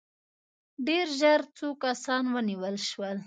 ډېر ژر څو کسان ونیول شول.